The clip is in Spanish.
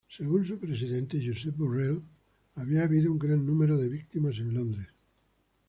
Según su Presidente, Josep Borrell, había habido un gran número víctimas en Londres.